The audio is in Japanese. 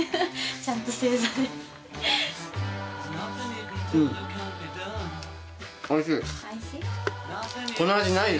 ちゃんと正座で。